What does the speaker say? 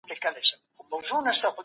ستونزې باید د مناسب وخت لپاره وساتل شي.